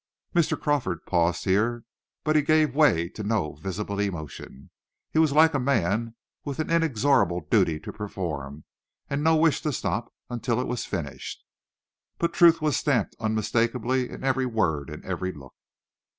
Mr. Crawford paused here, but he gave way to no visible emotion. He was like a man with an inexorable duty to perform, and no wish to stop until it was finished. But truth was stamped unmistakably in every word and every look.